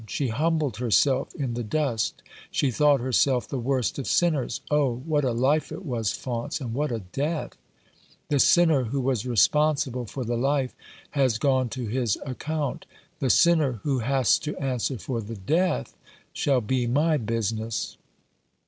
She humbled herself in the dust ; she thought herself the worst of sinners. Oh, what a life it was, Faunce, and what a death! The sinner who was responsible for the life has gone to his account. The sinner who has to answer for the death shall be my business."